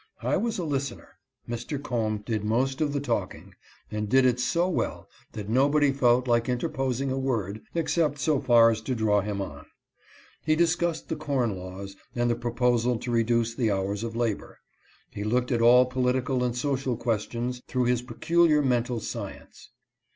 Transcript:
I was a listener. Mr. Combe did the most of the 300 THOMAS CLARKSON. talking, and did it so well that nobody felt like interposing a word, except so far as to draw him on. He discussed the corn laws, and the proposal to reduce the hours of labor. He looked at all political and social questions through his peculiar mental science.